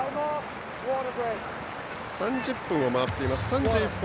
３１分を回っています。